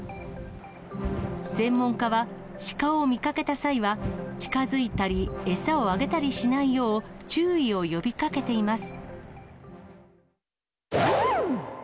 専門家は、シカを見かけた際は、近づいたり餌をあげたりしないよう、注意を呼びかけています。